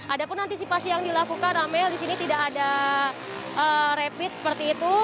ada pun antisipasi yang dilakukan amel di sini tidak ada rapid seperti itu